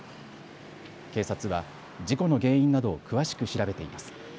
警察は事故の原因などを詳しく調べています。